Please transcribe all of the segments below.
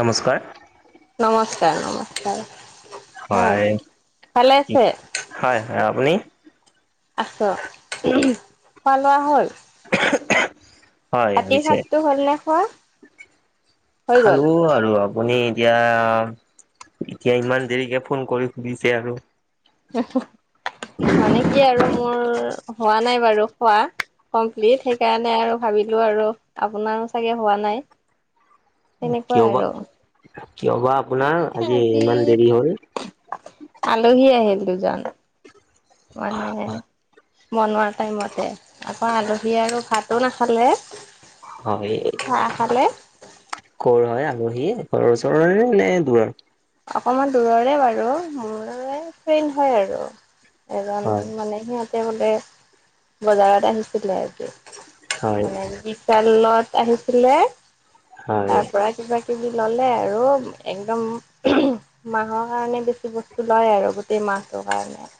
নমস্কাৰ। নমস্কাৰ, নমস্কাৰ। হয় ভালে কি আছে হয়, হয় আপুনি। আছো খোৱা, লোৱা হ'ল। হয়, ৰাতিৰ শনিছে সাজটো হ'ল নে খোৱা হৈ গ'ল খালো আৰু। আপুনি এতিয়া এতিয়া ইমান দেৰিকে ফোন কৰি সুধিছে আৰু। মানে কি আৰু মোৰ হোৱা নাই বাৰু খোৱা। কমপ্লিট সেইকাৰণে আৰু ভাবিলো আৰু আপোনাৰো চাগে হোৱা নাই। তেনেকুৱা কিয় বা আৰু। কিয় বা আপোনাৰ আজি ইমান দেৰি হ'ল। আলহী আহিল দুজন মানে। বনোৱাৰ টাইমতে আকৌ আলহী আৰু ভাতো নাখালে। হয়। চাহ খালে? কৰ হয় আলহী ঘৰৰ ওচৰৰে নে দূৰৰ? অকমান দূৰৰে বাৰু মোৰ ফ্ৰেন হয় আৰু এজন হয় মানে সিহতে বোলে বজাৰত আহিছিলে আজি হয় মানে। আহিছিলে হয়। তাৰ পৰা। কিবাকিবি ল'লে আৰু একদম। মাহৰ কাৰণে বেছি বস্তু লয় আৰু গোটেই মাহটোৰ কাৰণে।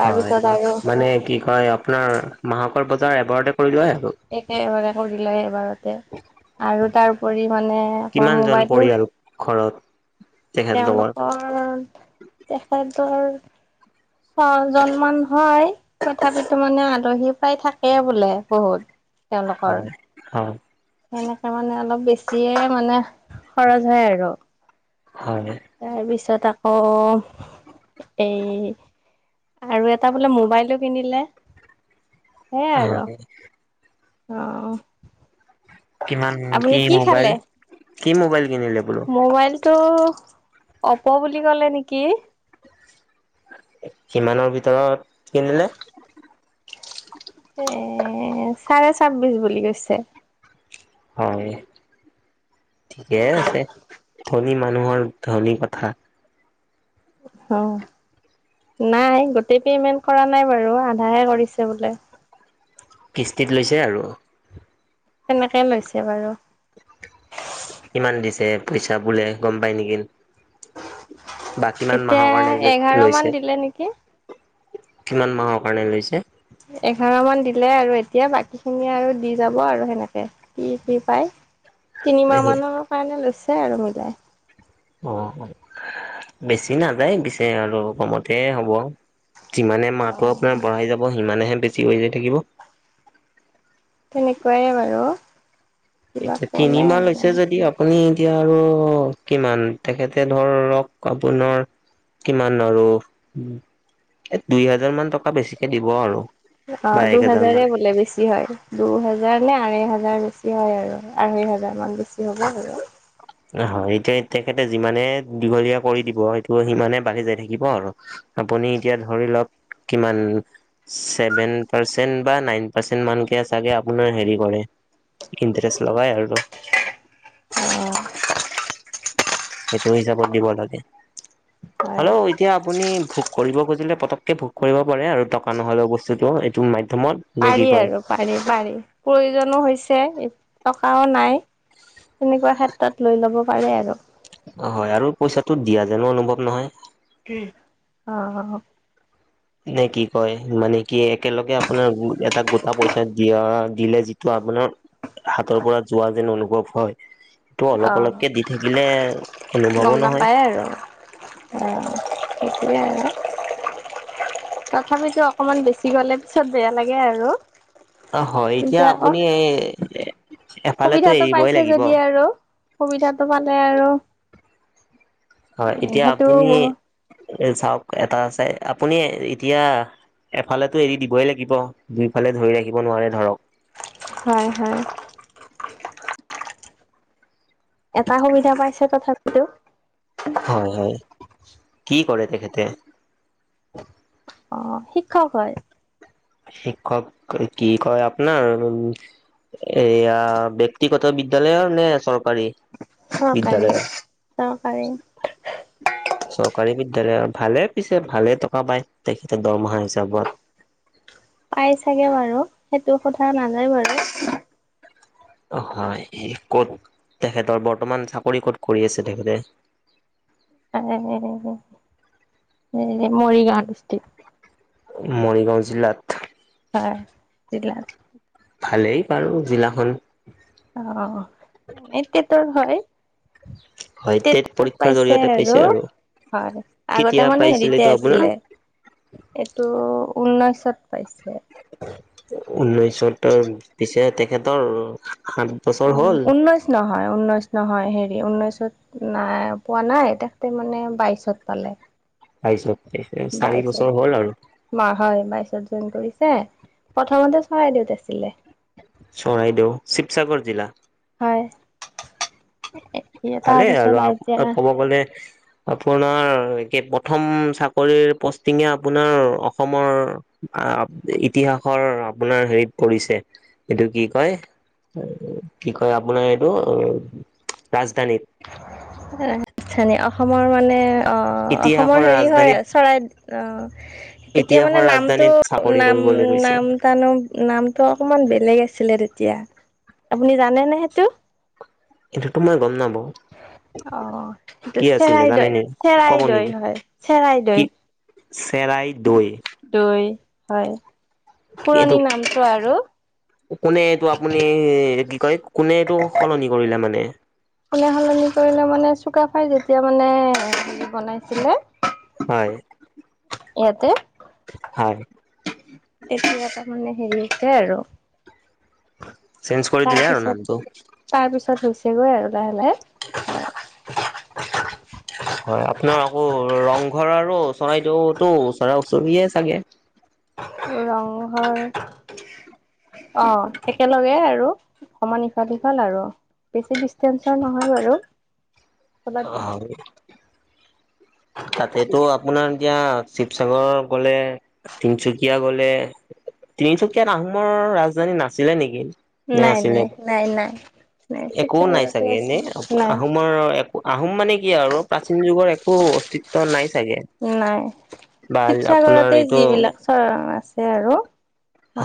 হয় আৰু মানে কি কয় আপোনাৰ মাহকৰৰ বজাৰ এবাৰতে কৰি লই আৰু। একেবে কৰিলেয় এবাৰতে আৰু তাৰপৰি মানে আকৌ কিমানজন মোবাইলটো পৰিয়াল ঘৰত? তেখেতলোকৰ? তেওঁলোকৰ তেখেতৰ অ, জন্মান হয়। তথাপিত মানে আলহী প্ৰায় থাকেই বোলে বহুত। হয়, হয়। সেনেকাে মানে অলপ বেছিয়ে মানে খৰচ হয় আৰু। হয়। তাৰ পিছত আকৌ এ, আৰু এটা বোলে মোবাইলো কিনিলে। সেইয়ে আৰু হয় অ'। কিমান আপুনি কি মোবাইল খালে কি মোবাইল কিনিলে বোলো। টো অপ বুলি ক'লে নেকি। কিমানৰ ভিতৰত কিনিলে? এ, চাৰে ছাব্বিশ বুলি কৈছে। হয় ঠিকে আছে ধনী মানুহৰ ধনী কথা। অ, নাই গোটেই পেমেন্ট কৰা নাই বাৰু আধাহে কৰিছে বোলে। কিস্তিত লৈছে আৰু। তেনেকে লৈছে বাৰু। কিমান দিছে পইচা বোলে গম পায় নেকি। বা কিমান মাহৰ এতিয়া কাৰণে এঘাৰ লৈছে মান দিলে নেকি। কিমান মাহৰ কাৰণে লৈছে। এঘাৰ মান দিলে আৰু এতিয়া বাকী খিনি আৰু দি যাব আৰু সেনেকে। কি, কি পাই তিনিমাহ মানৰ কাৰণে লৈছে আৰু মিলাই। অ', অ', বেছি নাযায় পিছে আৰু কমতে হ'ব। যিমানে অ মাহটো আপোনাৰ বঢ়াই যাব সিমানেহে বেছি হৈ যায় থাকিব। তেনেকুৱায়ে বাৰু। কিবা এতিয়া তিনি ক'লে মাহ হৈছে মানে যদি আপুনি এতিয়া আৰু কিমান তেখেতে ধৰক আপোনাৰ কিমান আৰু এ, দুই হাজাৰ মান টকা বেছিকে দিব আৰু। অ, বা এক হাজাৰ দুহাজাৰে মান বোলে বেছি হয়। দু হেজাৰ নে আঢ়ৈ হোজাৰ বেছি হয় আৰু আঢ়ৈ হোজাৰ মান বেছি হ'ব বাৰু। হয় এতিয়া তেখেতে যিমানে দীঘলীয়া কৰি দিব সেইটো সিমানে বাঢ়ি যাই থাকিব আৰু। আপুনি এতিয়া ধৰি লওক কিমান চেভেন পাৰ্চেন বা নাইন পাৰ্চেন মান কে চাগে আপোনাৰ হেৰি কৰে। ইণ্ট্ৰেষ্ট লগই আৰু। উম। সেইটো হিচাপত দিব লাগে। অ'। হলেও এতিয়া আপুনি ভোগ কৰিব খুজিলে পটককৈ ভোগ কৰিব পাৰে আৰু টকা নহ'লেও বস্তুটো এইটো মাধ্যমত। নে কি পাৰি কয় আৰু পাৰি, পাৰি প্ৰয়োজনো হৈছে টকাও নাই। তেনেকুৱা ক্ষেত্ৰত লৈ ল'ব পাৰে আৰু। অ, হয় আৰু পইচাটো দিয়া যেনো অনুভৱ নহয়। অ'। নে কি কয় মানে কি একেলগে আপোনাৰ এটা গোটা পইচা দিয়া দিলে। ত, আপোনাৰ হাতৰ পৰা যোৱা যেন অনুভৱ হয়। এইটো অ অলপ, অলপকে দি থাকিলে অনুভৱো গম নহয়। নাপায় আৰু অ, এতিয়া তথাপিতো অকমান বেছি গলে পিছত বেয়া লাগে আৰু। অ, হয় এতিয়া আপুনি এ সুবিধাতটো পাইছে যদি আৰু সুবিধাতটো পালে আৰু হয় উম, এতিয়া সেইটো আপুনি চাওক এটা আ চ আপুনি এতিয়া এফালেতো এৰি দিবই লাগিব দুইফালে ধৰি ৰাখিব নোৱাৰে ধৰক হয় হয় এটা সুবিধা পাইছে তথাপি হয় হয় কি কৰে তেখেতে শিক্ষক হয় শিক্ষক কি কয় আপোনাৰ এয়া ব্যক্তিগত বিদ্যয়ালয়ৰ নে চৰকাৰী চৰকাৰী বিদ্যালয়ৰ চৰকাৰী চৰকাৰী বিদ্যালয়ৰ ভালে পিছে ভালে টকা পায় তেখেতে দৰমহা হিচাপত পাই চাগে বাৰু সেইটো সোধা নাযায় বাৰু অ' হয় ক'ত তেখেতৰ বৰ্তমান চাকৰি ক'ত কৰি আছে তেখেতে মৰিগাঁও দিচতিক মৰিগাঁও জিলাত হয় ভালেই বাৰু জিলাখন অ' টেটৰ হয় হয় তেত টেটত পৰীক্ষাৰ পাইছে জৰিয়তে পাইছে আৰু হয় আগতে কেতিয়া মানে পাইছিল হেৰিতে এইটো আপোনাৰ আছিলে এইটো ঊনৈশত পাইছে উনৈশতৰ পিছে তেখেতৰ সাত বছৰ হ'ল ঊনৈছ নহয় ঊনৈছ নহয় হেৰি ঊনৈছত নাই পোৱা নাই তেখেতে মানে বাইশত পালে তাৰপিছত চাৰি বাইশত বছৰ হ'ল আৰু হয় বাইছত জইন কৰিছে প্ৰথমতে চৰাইদেউত আছিলে চৰাইদেউ শিৱসাগৰ জিলা হয়। একে ভালে আৰু ক'ব গ'লে আপোনাৰ এই প্ৰথম চাকৰিৰ পষ্টিঙে আপোনাৰ অসমৰ ইতিহাসৰ আপোনাৰ হেৰিত পৰিছে এইটো কি কয় কি কয় আপোনাৰ এইটো ৰাজধানীত অসমৰ মানে অ' ইতিহাসৰ অসমৰ হেৰি হয় ৰাজধানীত চৰাই অ' তেতিয়া মানে ইতিহাসৰ নামটো ৰাজধানীত চাকৰি নাম কৰিবলৈ গৈছে নাম নামটো অকমান বেলেগ আছিলে তেতিয়া আপুনি জানে নে সেইটো এইটোমই গম নাপাওঁ অ' কি আছিলে চেৰাই জানে দৈ নি ক'ব চেৰাই দৈ নেকি হয় চেৰাই কি দৈ চেৰাই দৈ দৈ হয় এইটো পুৰণি নামতো আৰু কোনে এইটো আপুনি কি কয় কোনে এইটো সলনি কৰিলে মানে কোনে সলনি কৰিলে মানে চুকাফাই যেতিয়া মানে বনাইছিলে হয়। ইয়াতে হয়। তেতিয়া তাৰ মানে হেৰি হৈছে আৰু চেন্স কৰি দিলে আৰু আৰু তাৰপিছত নামতো তাৰ পিছত হৈছেগৈ আৰু লাহে লাহে হয় আপোনাৰ আকৌ ৰংঘৰ আৰু চৰাইদেউতো ওচৰা ওচৰিয়ে চাগে ৰংঘৰ অ' একেলগে আৰু সমান ইফাল সিফাল আৰু, বেছি ডিষ্টেনচৰ নহয় বাৰু। অ' হয়। তাতেতো আপোনাৰ এতিয়া শিৱসাগৰ গলে তিনিচুকীয়া গলে, তিনিচুকীয়াত আহোমৰ ৰাজধানী নাছিলে নেকি? নে নাই আছিলে, নাই নাই নাই নাই একো নাই শিৱসাগৰতে চাগে আছে এনে নাই আহোমৰ আহোম মানে কি আৰু প্ৰাচীন যুগত একো অস্তিত্ব নাই চাগে, নাই বা আপোনাৰ এইটো চব আছে আৰু।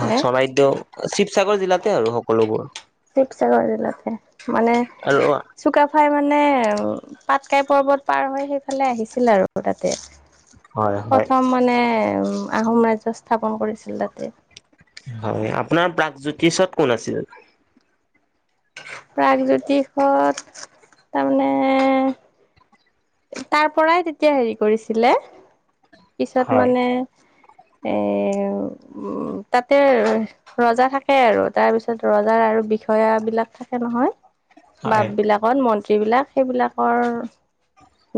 হয় চৰাইদেউ শিৱসাগৰ জিলাতে আৰু সকলোবোৰ। শিৱসাগৰ জিলাতে মানে আৰু চুকাফাই মানে পাটকাই পৰ্বত পাৰ হয় সেইফালে আহিছিল আৰু তাতে। হয় হয় প্ৰথম মানে উম আহোম ৰাজ্য স্থাপন কৰিছিল তাতে। হয়, আপোনাৰ প্ৰাগজ্যোতিষত কোন আছিল। প্ৰাগজ্যোতিষত, তাৰমানে তাৰ পৰাই তেতিয়া হেৰি কৰিছিলে, পিছত হয় মানে এ উম তাতে ৰজা থাকে আৰু তাৰপিছত ৰজাৰ আৰু বিষয়া বিলাক থাকে নহয়। হয় বাপ বিলাকত মন্ত্ৰী বিলাক সেইবিলাকৰ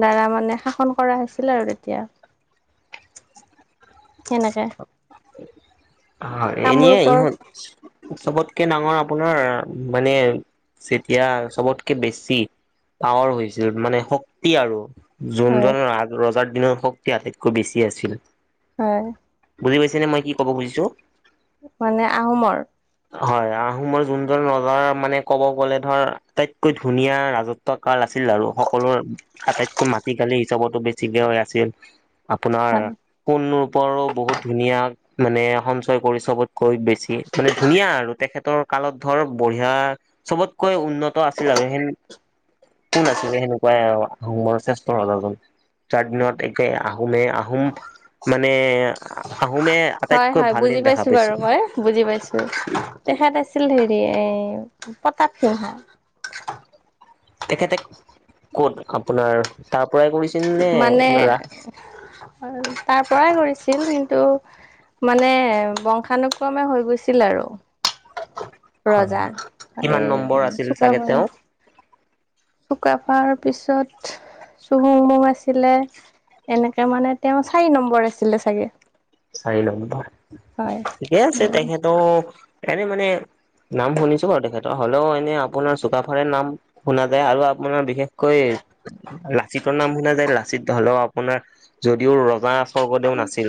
দ্বাৰা মানে শাসন কৰা হৈছিল আৰু তেতিয়া। সেনেকে হয় এনেই। কামৰূপৰ চবতকে ডাঙৰ আপোনাৰ মানে যেতিয়া চবতকে বেছি পাৱাৰ হৈছিল মানে, শক্তি আৰু। যোন হয় ৰজাৰ দিনৰ শক্তি আটাইতকৈ বেছি আছিল। হয়। বুজি পাইছে নে মই কি কব খুজিছো। মানে আহোমৰ? হয় আহোমৰ যোনজন ৰজাৰ মানে ক'ব গ'লে ধৰ আটাইতকৈ ধুনীয়া ৰাজত্ব ৰাজত্ব আছিল আৰু সকলোৰে আটাইতকৈ মাটিকালি হিচাপতো বেছিকে হৈ আছিল। আপোনাৰ, হয় কোন নো পৰো বহুত ধুনীয়া মানে সঞ্চয় কৰিছে। কৈ বেছি মানে ধুনীয়া আৰু তেখেতৰ কালত ধৰ বঢ়িয়া চবতকৈ উন্নত আছিল আৰু তেনেকুৱা। কোন আছিলে সেনেকুৱাই আহোমৰ শ্ৰেষ্ঠ ৰজাজন। তাৰ দিনত একে, আহোমে আহোম মানে আহোমে হয় আটাইতকৈ হয় ভাল দিন বুজি দেখা পাইছো বাৰু পাইছিল। মই বুজি পাইছো তেখেত আছিল হেৰি এই, প্ৰতাপ সিংহা। তেখেতে, ক'ত আপোনাৰ তাৰ পৰাই কৰিছে। মানে, তাৰ পৰাই কৰিছিল কিন্তু মানে বংশানুক্ৰমে হৈ গৈছিল আৰু। ৰজা হয় কিমান নম্বৰ আছিল চাগে চুকাফাই তেওঁ শুকৰাফাৰ পিছত চুমুংমুং আছিলে, এনেকে মানে তেওঁ চাৰি নম্বৰ আছিলে চাগে। চাৰি নম্বৰ, হয় ঠিকে আছে উম তেখেতৰ, এনে মানে নাম শুনিছো বাৰু তেখেতৰ হ'লেও এনে আপোনাৰ চুকাফাৰ নাম। শুনা যায় আৰু আপোনাৰ বিশেষকৈ লাচিতৰ নাম শুনা যায় লাচিত হলেও আপোনাৰ যদিও ৰজা স্বৰ্গদেউ নাছিল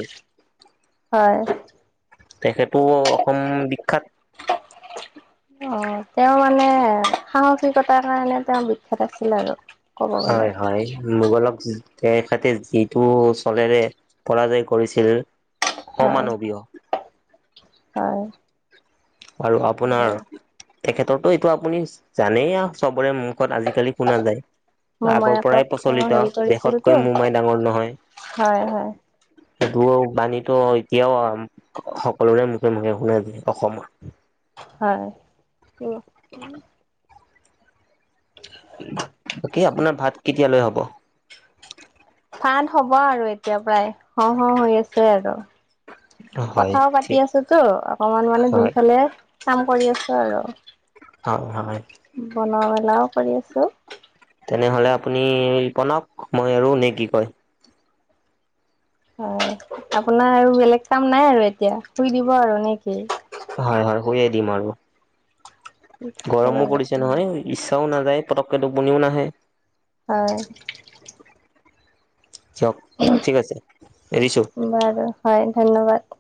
হয়। তেখেতো অসম বিখ্যাত। হয়। অ' তেওঁ মানে সাহসিকতাৰ কাৰণে তেওঁ বিখ্যাত আছিল আৰু। ক'ব গ'লে হয় হয়, মোগলক তেখেতে যিটো চলেৰে পৰাজয় কৰিছিল, হয় অমানবীয়। হয়। আৰু আপোনাৰ, তেখেতৰো এইটো আপুনি জানেই চবৰে মুখত আজি- কালি শুনা যায়। আগৰ মোমায়েকক পৰাই তেওঁ প্ৰচলিত, হেৰি কৰিছিলতো দেশতকৈ মোমাই ডাঙৰ নহয়। হয় হয় সেইটো বাণীতো এতিয়াও সকলোৰে মুখে মুখে শুনা যায়, অসমৰ। হয়, উম্। বাকী, আপোনাৰ ভাত কেতিয়ালৈ হ'ব! ভাত হ'ব আৰু এতিয়া প্ৰায়, হঁও হঁও হৈ আছে! আৰু, হয় কথাও পাতি ঠিক আছোঁ তো, অকমান মানে হয় দুইফালে কাম কৰি আছো! আৰু হয়, হয়। বনোৱা মেলাও কৰি আছোঁ! তেনেহ'লে আপুনি বনাওঁক! মই আৰু নে কি কয়, হয়, আপোনাৰ আৰু বেলেগ কাম নাই আৰু এতিয়া, শুই দিব আৰু নে কি? হয় হয়, শুইয়ে দিম আৰু। ঠিক আছে গৰমো বাৰু পৰিছে নহয়, ইচ্ছাও নাযায়, পতককে টোপনিও নাহে! হয়। চব, বাৰু হয়, ধন্যবাদ!